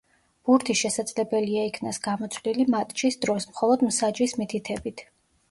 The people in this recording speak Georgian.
ბურთი შესაძლებელია იქნას გამოცვლილი მატჩის დროს მხოლოდ მსაჯის მითითებით.